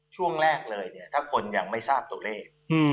ช่วงแรกเลยเนี่ยถ้าคนยังไม่ทราบตัวเลข